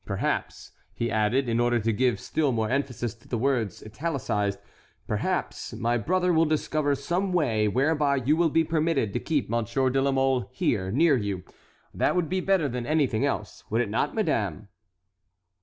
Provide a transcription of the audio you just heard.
Perhaps," he added, in order to give still more emphasis to the words italicized, "perhaps my brother will discover some way whereby you will be permitted to keep Monsieur de la Mole here near you—that would be better than anything else, would it not, madame?"